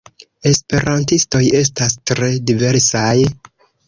Esperantistoj estas tre diversaj.